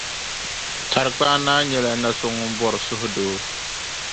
Tarikpaa Naa nyɛla na so ŋun bɔri suhudoo.